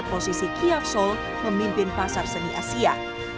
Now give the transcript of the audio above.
terkuat posisi kiaf seoul memimpin pasar seni asia